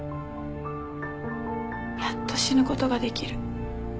やっと死ぬことができる。